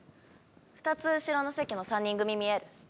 ２つ後ろの席の３人組見える？